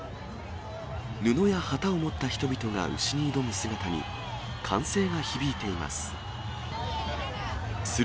布や旗を持った人々が牛に挑む姿に、歓声が響いています。